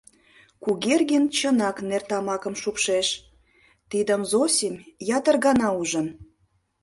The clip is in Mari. Кугергин чынак нертамакым шупшеш, тидым Зосим ятыр гана ужын.